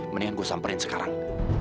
mendingan gue samperin sekarang